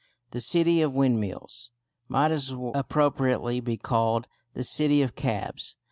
"The City of Windmills" might as appropriately be called "The City of Cabs."